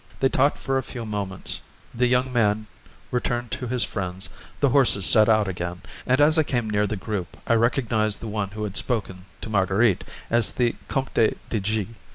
They talked for a few moments; the young man returned to his friends, the horses set out again, and as I came near the group I recognised the one who had spoken to Marguerite as the Comte de G.